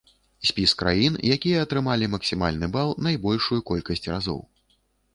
Спіс краін, якія атрымалі максімальны бал найбольшую колькасць разоў.